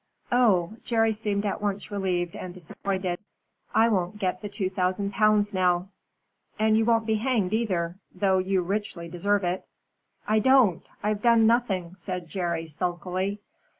"Oh!" Jerry seemed at once relieved and disappointed. "I won't get the two thousand pounds now." "And you won't be hanged either, though you richly deserve it." "I don't. I've done nothing," said Jerry, sulkily.